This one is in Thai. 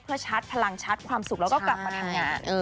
เพื่อชัดพลังชาร์จความสุขแล้วก็กลับมาทำงาน